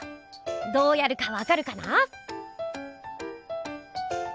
どうやるかわかるかな？